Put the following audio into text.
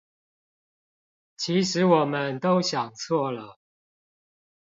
其實我們都想錯了！